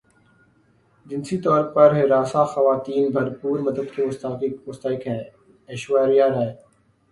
جنسی طور پر ہراساں خواتین بھرپور مدد کی مستحق ہیں ایشوریا رائے